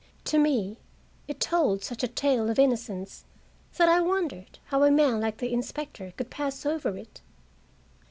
To me, it told such a tale of innocence that I wondered how a man like the inspector could pass over it.